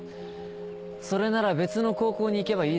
それなら別の高校に行けばいい。